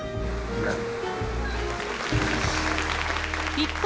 一方。